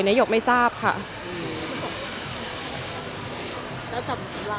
เนี้ยหยกไม่ทราบค่ะแล้วสำหรับเราสามคนสามารถที่สามารถ